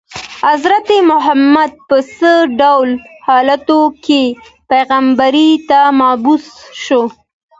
حضرت محمد په څه ډول حالاتو کې پیغمبرۍ ته مبعوث شو.